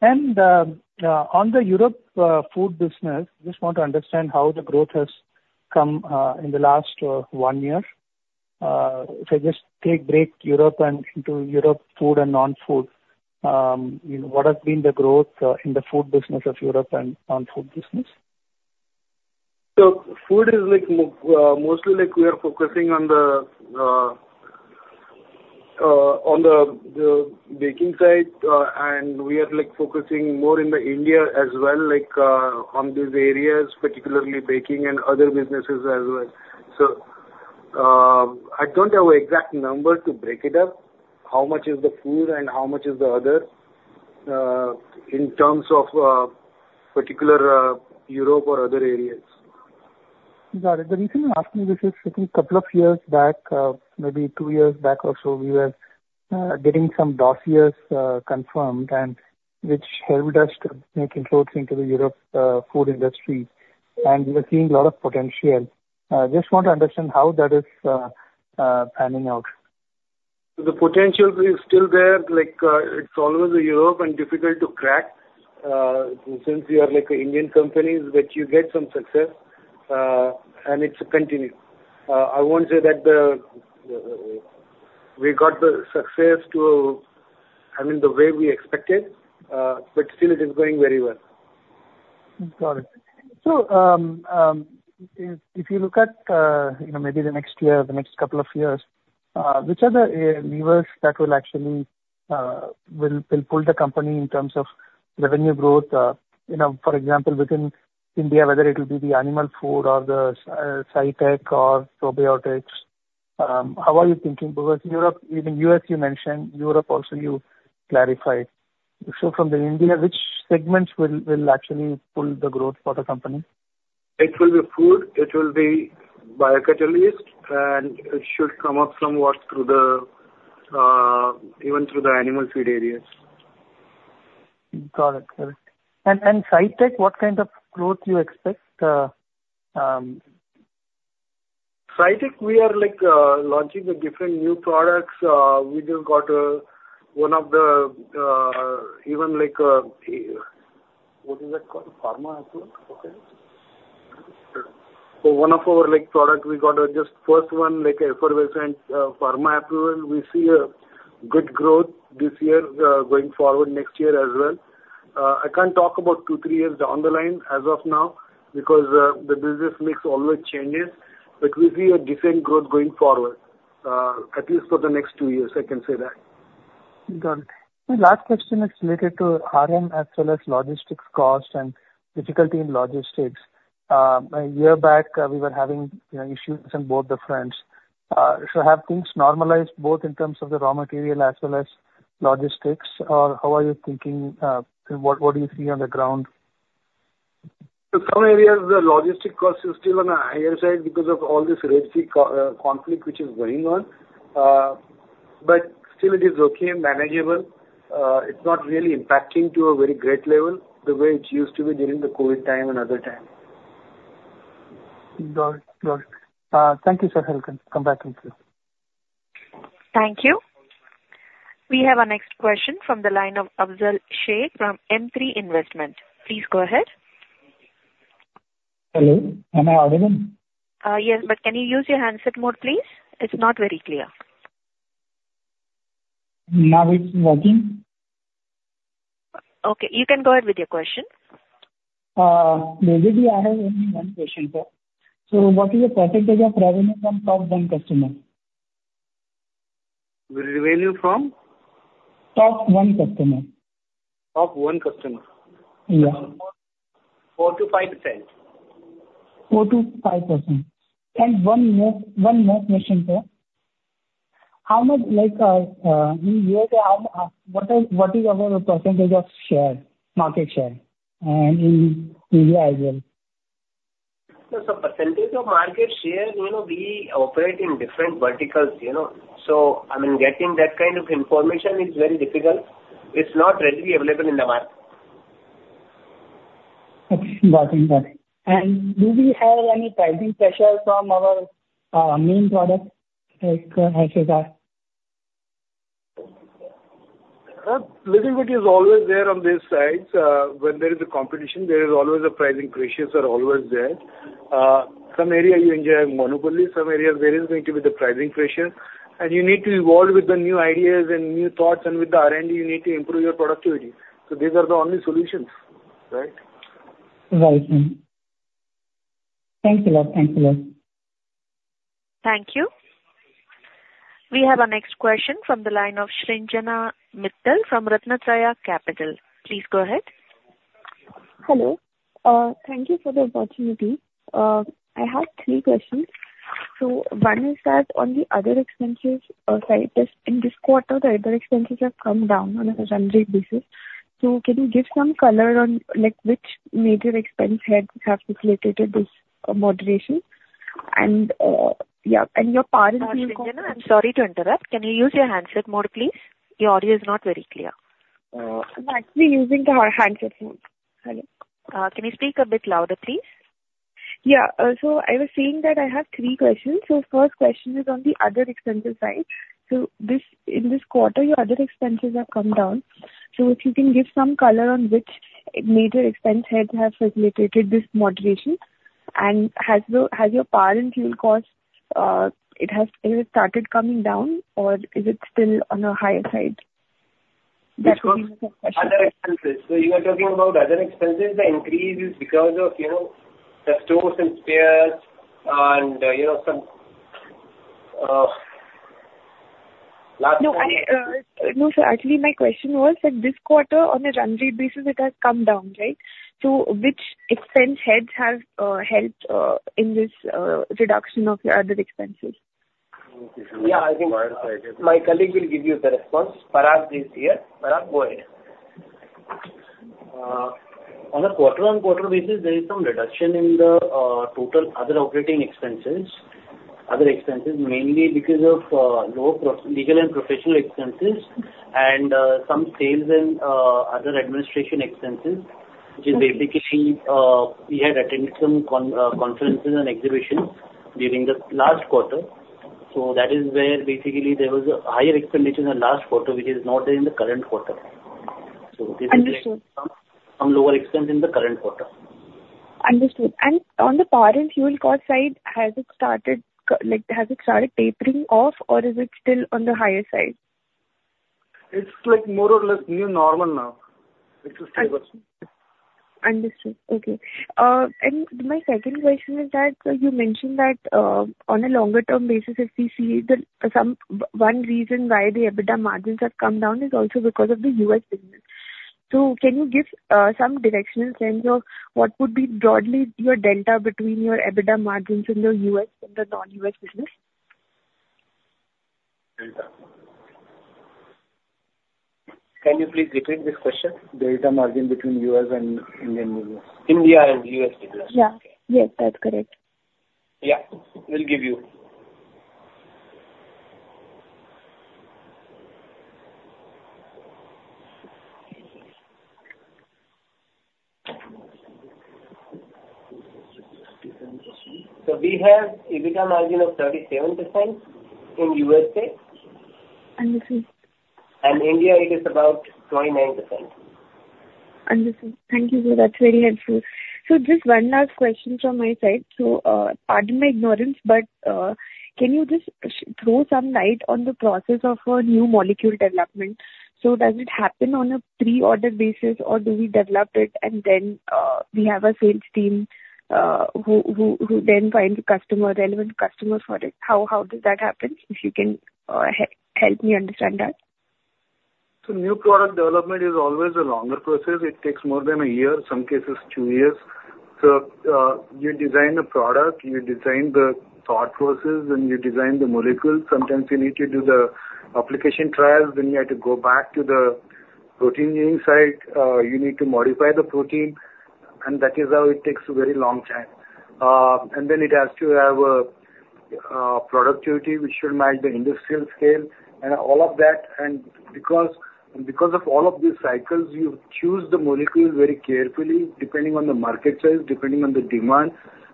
And on the Europe food business, just want to understand how the growth has come in the last one year. If I just take break Europe and into Europe food and non-food, you know, what has been the growth in the food business of Europe and non-food business? So food is like mostly like we are focusing on the baking side, and we are like focusing more in the India as well, like on these areas, particularly baking and other businesses as well. So, I don't have an exact number to break it up, how much is the food and how much is the other, in terms of particular Europe or other areas. Got it. The reason I'm asking this is, I think couple of years back, maybe two years back or so, we were getting some dossiers confirmed, and which helped us to make inroads into the Europe food industry. And we are seeing a lot of potential. Just want to understand how that is panning out? The potential is still there. Like, it's always Europe and difficult to crack, since we are like an Indian company, but you get some success, and it's continued. I won't say that we got the success to... I mean, the way we expected, but still it is going very well. Got it. So, if you look at, you know, maybe the next year, the next couple of years, which are the levers that will actually will pull the company in terms of revenue growth? You know, for example, within India, whether it will be the animal food or the SciTech or probiotics, how are you thinking? Because Europe, even US, you mentioned, Europe also, you clarified. So from the India, which segments will actually pull the growth for the company? It will be food, it will be biocatalyst, and it should come up from what through the, even through the animal feed areas. Got it. Correct. And SciTech, what kind of growth you expect? SciTech, we are, like, launching the different new products. We just got, one of the, even like, what is that called? Pharma approval, okay. So one of our, like, product, we got just first one, like, effervescent, pharma approval. We see a good growth this year, going forward next year as well. I can't talk about two, three years down the line as of now because, the business makes always changes, but we see a different growth going forward, at least for the next two years, I can say that. Got it. The last question is related to RM as well as logistics cost and difficulty in logistics. A year back, we were having, you know, issues on both the fronts. So have things normalized, both in terms of the raw material as well as logistics? Or how are you thinking, what do you see on the ground? So some areas, the logistics cost is still on a higher side because of all this Red Sea conflict which is going on. But still it is okay and manageable. It's not really impacting to a very great level the way it used to be during the COVID time and other time. Got it. Got it. Thank you, sir. I will come back to you. Thank you. We have our next question from the line of Abdul Puranwala from M3 Investment. Please go ahead. Hello, am I audible? Yes, but can you use your handset mode, please? It's not very clear. Now it's working? Okay, you can go ahead with your question. Maybe I have only one question, sir. So what is the percentage of revenue from top one customer? The revenue from? Top one customer. Top one customer? Yeah. 4%-5%. 4%-5%. One more, one more question, sir. How much, like, in US, what is, what is our percentage of share, market share, in India as well? So, percentage of market share, you know, we operate in different verticals, you know. So I mean, getting that kind of information is very difficult. It's not readily available in the market. Okay, got it, got it. Do we have any pricing pressure from our main product, like [HSR]? Little bit is always there on this side. When there is a competition, there is always a pricing pressures are always there. Some area you enjoy monopoly, some areas there is going to be the pricing pressure, and you need to evolve with the new ideas and new thoughts, and with the R&D, you need to improve your productivity. So these are the only solutions, right? Right, sir. Thanks a lot. Thanks a lot. Thank you. We have our next question from the line of Sanjana Mittal from Ratnatraya Capital. Please go ahead. Hello. Thank you for the opportunity. I have three questions. So one is that on the other expenses side, just in this quarter, the other expenses have come down on a run rate basis. So can you give some color on, like, which major expense had, have facilitated this moderation? And, yeah, and your power- Hi, Srijana, I'm sorry to interrupt. Can you use your handset mode, please? Your audio is not very clear. I'm actually using the handset mode. Hello. Can you speak a bit louder, please? Yeah. So I was saying that I have three questions. So first question is on the other expenses side. So this, in this quarter, your other expenses have come down. So if you can give some color on which major expense heads have facilitated this moderation? And has your power and fuel cost, has it started coming down, or is it still on a higher side? That was the first question. Other expenses. So you are talking about other expenses, the increase is because of, you know, the stores and spares and, you know, some,... No, I, no, sir, actually, my question was that this quarter, on a run rate basis, it has come down, right? So which expense heads have helped in this reduction of your other expenses? Yeah, I think my colleague will give you the response. Saraf is here. Saraf, go ahead. On a quarter-on-quarter basis, there is some reduction in the total other operating expenses. Other expenses, mainly because of low professional expenses and some sales and other administration expenses, which is basically we had attended some conferences and exhibitions during the last quarter. So that is where basically there was a higher expenditure in the last quarter, which is not there in the current quarter. So- Understood. Some lower expense in the current quarter. Understood. On the power and fuel cost side, has it started, like, has it started tapering off, or is it still on the higher side? It's like more or less new normal now. It's stable. Understood. Okay. And my second question is that, so you mentioned that, on a longer term basis, if we see that one reason why the EBITDA margins have come down is also because of the U.S. business. So can you give some directional sense of what would be broadly your delta between your EBITDA margins in the U.S. and the non-US business? Delta. Can you please repeat this question? Delta margin between U.S. and Indian business. India and U.S. business. Yeah. Yes, that's correct. Yeah, we'll give you. So we have EBITDA margin of 37% in USA. Understood. India, it is about 29%. Understood. Thank you, sir. That's very helpful. So just one last question from my side. So, pardon my ignorance, but, can you just throw some light on the process of a new molecule development? So does it happen on a pre-order basis, or do we develop it and then, we have a sales team, who then find the customer, relevant customer for it? How does that happen? If you can, help me understand that. So new product development is always a longer process. It takes more than a year, some cases two years. So, you design a product, you design the thought process, then you design the molecule. Sometimes you need to do the application trials, then you have to go back to the protein engineering site. You need to modify the protein, and that is how it takes a very long time. And then it has to have a, productivity, which should match the industrial scale and all of that. And because, because of all of these cycles, you choose the molecule very carefully, depending on the market size, depending on the demand,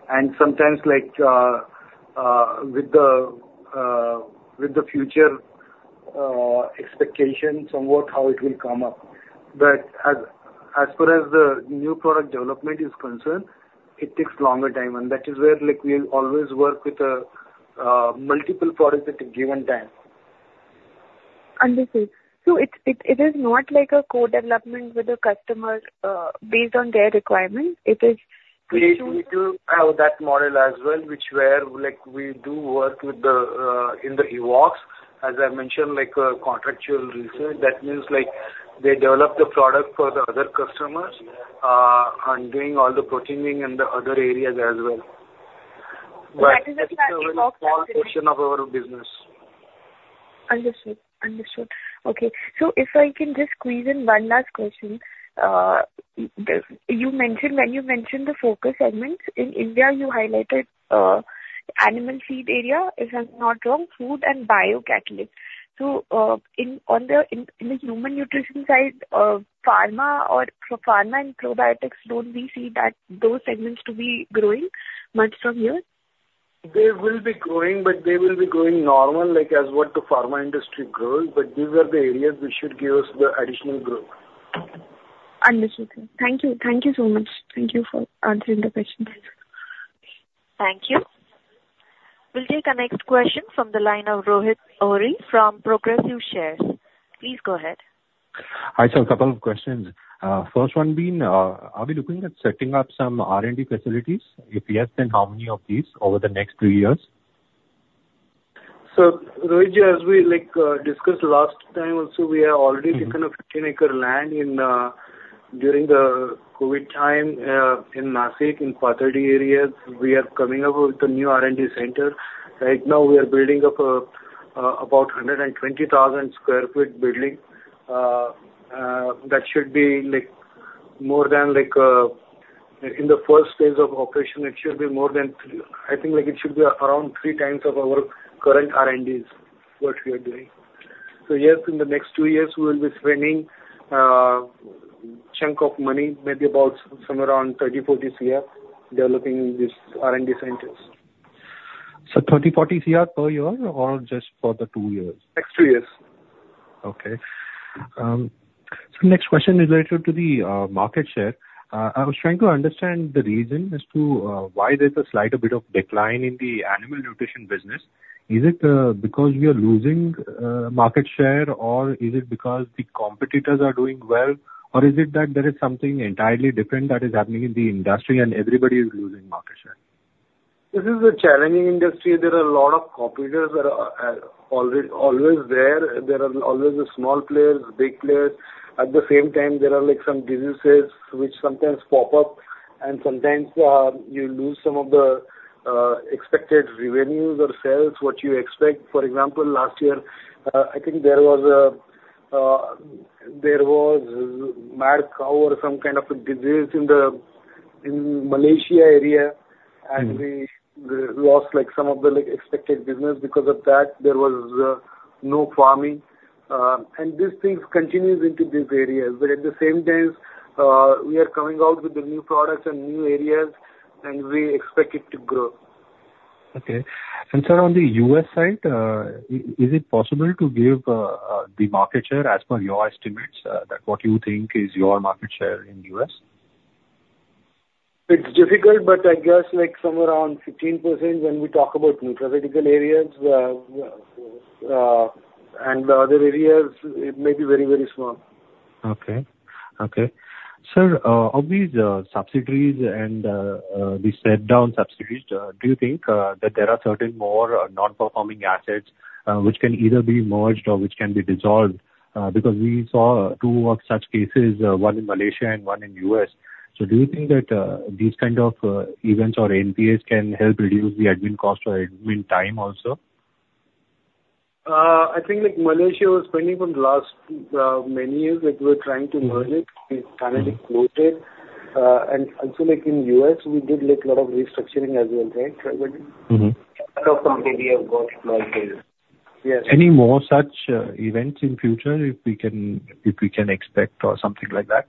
and sometimes, like, with the, with the future, expectations on what, how it will come up. But as far as the new product development is concerned, it takes longer time, and that is where, like, we always work with multiple products at a given time. Understood. So it is not like a co-development with the customer, based on their requirement. It is- We do have that model as well, where, like, we do work with the in the Evoxx. As I mentioned, like, a contractual research. That means, like, they develop the product for the other customers, and doing all the protein engineering and the other areas as well. But is it- It's a very small portion of our business. Understood. Understood. Okay, so if I can just squeeze in one last question. The, you mentioned... When you mentioned the focus segments, in India you highlighted animal feed area, if I'm not wrong, food and biocatalyst. So, on the human nutrition side, pharma or pharma and probiotics, don't we see that those segments to be growing much from here? They will be growing, but they will be growing normal, like as what the pharma industry grows, but these are the areas which should give us the additional growth. Understood, sir. Thank you. Thank you so much. Thank you for answering the questions. Thank you. We'll take our next question from the line of Rohit Awari from Progressive Shares. Please go ahead. Hi, sir, a couple of questions. First one being, are we looking at setting up some R&D facilities? If yes, then how many of these over the next two years? So, Rohit, as we like, discussed last time also, we have already taken a 15-acre land in, during the COVID time, in Nashik, in Wadivarhe areas. We are coming up with a new R&D center. Right now, we are building up, about 120,000 sq ft building. That should be like more than like, in the first phase of operation, it should be more than three. I think, like, it should be around 3x of our current R&Ds, what we are doing. So yes, in the next two years, we will be spending, chunk of money, maybe about somewhere around 30 crore-40 crore, developing these R&D centers. 30 crore-40 crore per year or just for the two years? Next two years. Okay. So next question is related to the market share. I was trying to understand the reason as to why there's a slight bit of decline in the Animal Nutrition business. Is it because we are losing market share, or is it because the competitors are doing well? Or is it that there is something entirely different that is happening in the industry and everybody is losing market share? ...This is a challenging industry. There are a lot of competitors that are always, always there. There are always the small players, big players. At the same time, there are, like, some businesses which sometimes pop up, and sometimes you lose some of the expected revenues or sales, what you expect. For example, last year, I think there was mad cow or some kind of a disease in the Malaysia area- Mm-hmm. And we, we lost, like some of the, like, expected business because of that. There was no farming. And these things continues into these areas. But at the same time, we are coming out with the new products and new areas, and we expect it to grow. Okay. And sir, on the U.S. side, is it possible to give the market share as per your estimates, that what you think is your market share in U.S.? It's difficult, but I guess like somewhere around 15% when we talk about nutraceutical areas. And the other areas, it may be very, very small. Okay. Okay. Sir, of these, subsidiaries and, the shut down subsidiaries, do you think that there are certain more non-performing assets, which can either be merged or which can be dissolved? Because we saw two of such cases, one in Malaysia and one in U.S. So do you think that these kind of events or NPAs can help reduce the admin cost or admin time also? I think like Malaysia was pending from last many years, like, we were trying to merge it. It's finally closed it. And also like in U.S., we did like lot of restructuring as well, right, Rajnish? Mm-hmm. Yes. Any more such events in future, if we can, if we can expect or something like that?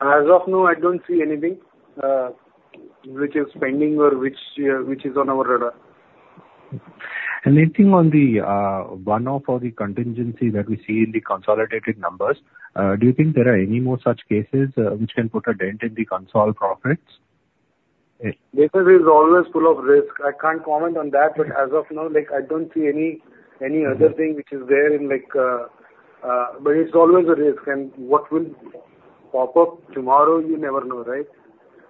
As of now, I don't see anything, which is pending or which, which is on our radar. Anything on the one-off or the contingency that we see in the consolidated numbers, do you think there are any more such cases which can put a dent in the consolidated profits? Business is always full of risk. I can't comment on that, but as of now, like, I don't see any, any other thing which is there in like... but it's always a risk. And what will pop up tomorrow, you never know, right?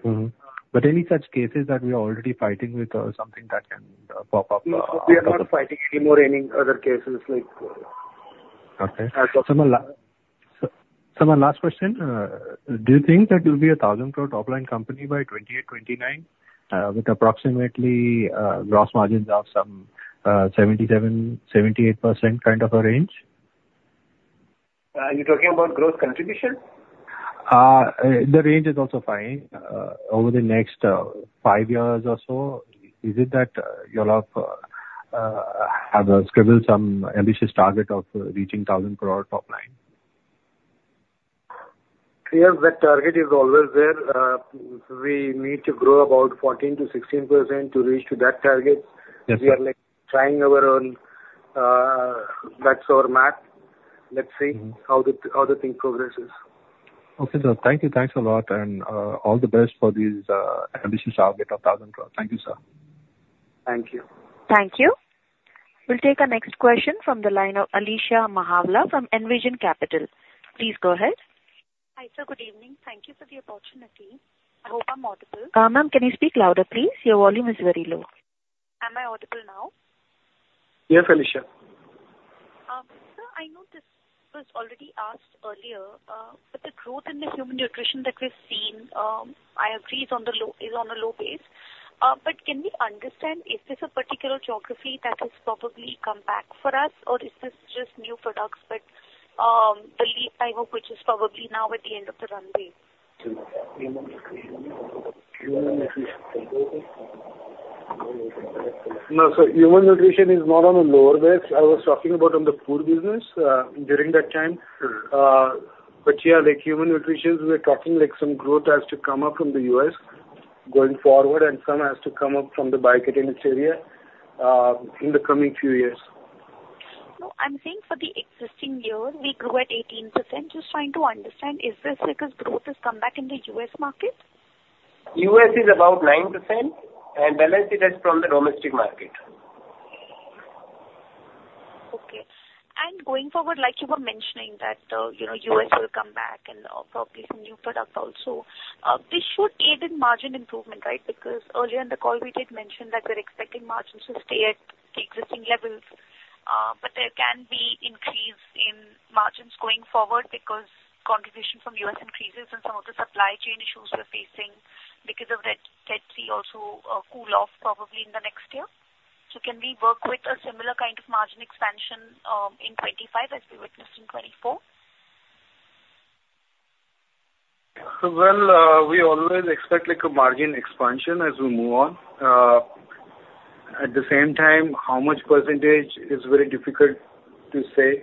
Mm-hmm. But any such cases that we are already fighting with or something that can pop up? No, we are not fighting anymore any other cases like Okay. As of now. Sir, my last question. Do you think that you'll be a 1,000 crore top line company by 2028, 2029, with approximately, gross margins of some 77%-78% kind of a range? You're talking about growth contribution? The range is also fine. Over the next five years or so, is it that you'll have scribbled some ambitious target of reaching 1,000 crore top line? Yes, that target is always there. We need to grow about 14%-16% to reach to that target. Yes, sir. We are, like, trying our own. That's our math. Let's see. Mm-hmm. how the thing progresses. Okay, sir. Thank you. Thanks a lot, and all the best for this ambitious target of 1,000 crore. Thank you, sir. Thank you. Thank you. We'll take our next question from the line of Alisha Mahawla from Envision Capital. Please go ahead. Hi, sir. Good evening. Thank you for the opportunity. I hope I'm audible. Ma'am, can you speak louder, please? Your volume is very low. Am I audible now? Yes, Alisha. Sir, I know this was already asked earlier, but the growth in the Human Nutrition that we've seen, I agree, is on the low, is on a low base. But can we understand, is this a particular geography that has probably come back for us, or is this just new products, but the lead, I hope, which is probably now at the end of the runway? Human Nutrition. No, so Human Nutrition is not on a lower base. I was talking about on the food business, during that time. Mm. But yeah, like human nutrition, we're talking like some growth has to come up from the U.S. going forward, and some has to come up from the B2C in this area, in the coming few years. No, I'm saying for the existing year, we grew at 18%. Just trying to understand, is this because growth has come back in the U.S. market? U.S. is about 9%, and the rest is from the domestic market. Okay. And going forward, like you were mentioning, that, you know, U.S. will come back and probably some new product also. This should aid in margin improvement, right? Because earlier in the call, we did mention that we're expecting margins to stay at the existing levels. But there can be increase in margins going forward because contribution from U.S. increases and some of the supply chain issues we're facing because of that, that we also cool off probably in the next year. So can we work with a similar kind of margin expansion in 2025 as we witnessed in 2024? Well, we always expect like a margin expansion as we move on. At the same time, how much percentage is very difficult to say.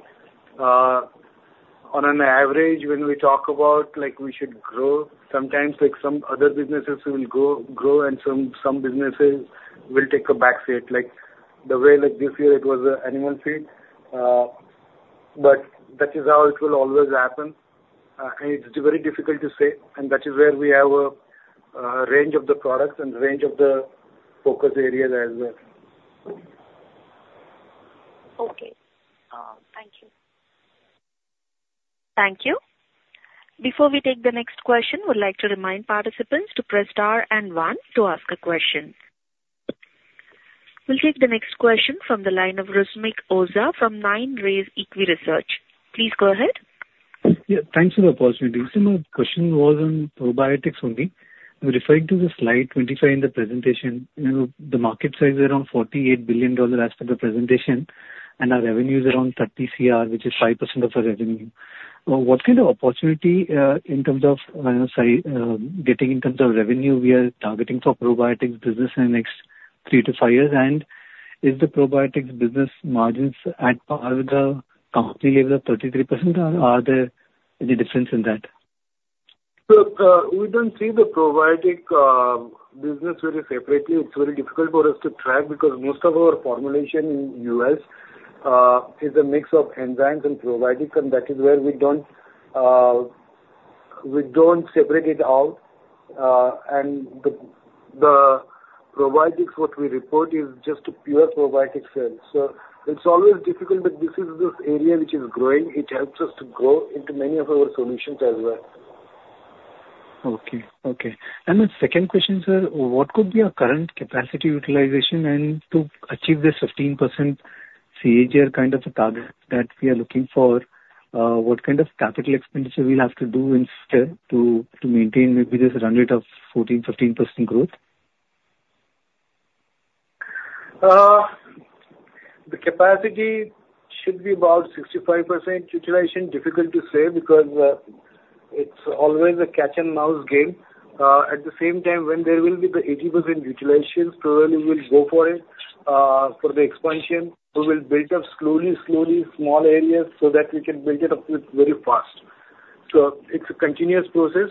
On an average, when we talk about, like, we should grow, sometimes, like some other businesses will grow and some businesses will take a back seat. Like, the way, like, this year it was, animal feed. But that is how it will always happen. And it's very difficult to say, and that is where we have a range of the products and range of the focus areas as well. Okay.... Thank you. Before we take the next question, we'd like to remind participants to press star and one to ask a question. We'll take the next question from the line of Rusmik Oza from 9 Rays EquiResearch. Please go ahead. Yeah, thanks for the opportunity. So my question was on probiotics only. Referring to the slide 25 in the presentation, you know, the market size is around $48 billion as per the presentation, and our revenue is around 30 crore, which is 5% of our revenue. What kind of opportunity, in terms of, sorry, getting in terms of revenue we are targeting for probiotics business in the next three to five years? And is the probiotics business margins at par with the company level of 33%, or are there any difference in that? So, we don't see the probiotic business very separately. It's very difficult for us to track because most of our formulation in U.S. is a mix of enzymes and probiotics, and that is where we don't, we don't separate it out. And the probiotics what we report is just a pure probiotic sales. So it's always difficult, but this is this area which is growing. It helps us to grow into many of our solutions as well. Okay. Okay. And the second question, sir: What could be our current capacity utilization? And to achieve this 15% CAGR kind of a target that we are looking for, what kind of capital expenditure we'll have to do instead to maintain maybe this run rate of 14%-15% growth? The capacity should be about 65% utilization. Difficult to say, because it's always a cat and mouse game. At the same time, when there will be the 80% utilization, probably we will go for it. For the expansion, we will build up slowly, slowly, small areas, so that we can build it up with very fast. So it's a continuous process,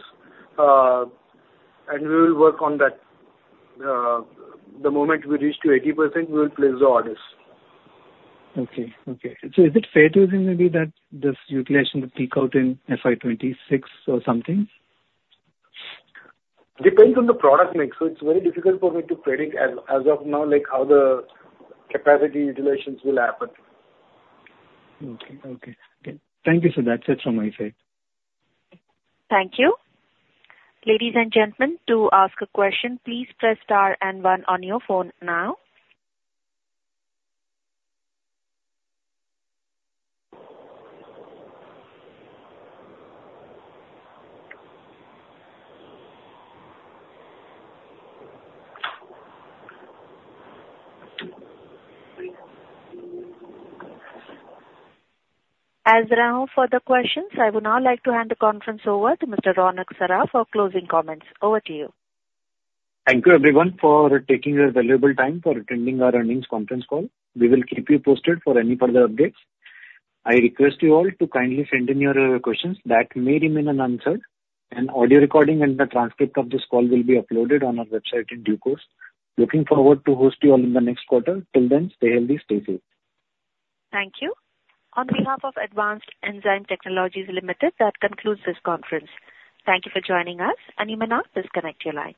and we will work on that. The moment we reach to 80%, we will place the orders. Okay. Okay. So is it fair to say maybe that this utilization will peak out in FY 2026 or something? Depends on the product mix, so it's very difficult for me to predict as of now, like, how the capacity utilizations will happen. Okay. Okay, okay. Thank you, sir. That's it from my side. Thank you. Ladies and gentlemen, to ask a question, please press star and one on your phone now. As there are no further questions, I would now like to hand the conference over to Mr. Ronak Saraf for closing comments. Over to you. Thank you everyone for taking the valuable time for attending our earnings conference call. We will keep you posted for any further updates. I request you all to kindly send in your questions that may remain unanswered. An audio recording and the transcript of this call will be uploaded on our website in due course. Looking forward to host you all in the next quarter. Till then, stay healthy, stay safe. Thank you. On behalf of Advanced Enzyme Technologies Limited, that concludes this conference. Thank you for joining us, and you may now disconnect your line.